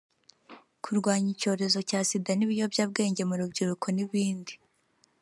kurwanya icyorezo cya Sida n’ibiyobyabwenge mu rubyiruko n’ibindi